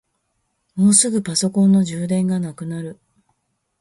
もうすぐパソコンの充電がなくなる。